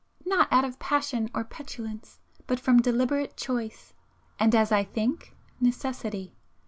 Not out of passion or petulance,—but from deliberate choice, and as I think, necessity.